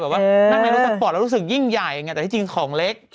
ว่านั่งในรถสปอร์ตแล้วรู้สึกยิ่งใหญ่ไงแต่ที่จริงของเล็ก